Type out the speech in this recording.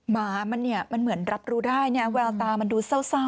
หมามันเหมือนรับรู้ได้แววตามันดูเศร้านะคะ